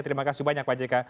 terima kasih banyak pak jk